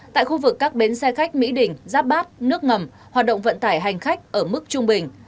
tại khu vực các bến xe khách mỹ đình giáp bát nước ngầm hoạt động vận tải hành khách ở mức trung bình